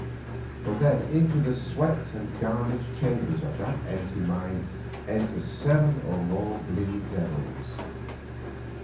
For then into the swept and garnished chambers of that empty mind enter seven or more blue devils.